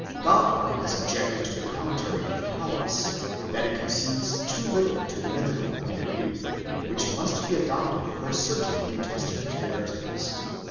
Gabler has objected to the Commentary of Paulus, that it concedes too little to the mythical point of view, which must be adopted for certain New Testament narratives.